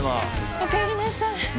おかえりなさい。